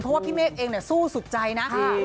เพราะว่าพี่เมฆเองสู้สุดใจนะ